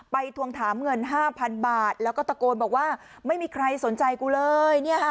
ทวงถามเงิน๕๐๐๐บาทแล้วก็ตะโกนบอกว่าไม่มีใครสนใจกูเลย